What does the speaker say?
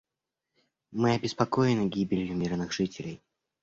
Мы обеспокоены гибелью мирных жителей.